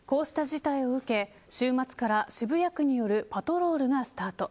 こうした事態を受け週末から渋谷区によるパトロールがスタート。